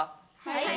はい。